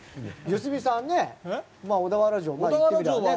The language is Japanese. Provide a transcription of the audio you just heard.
良純さん、小田原城は。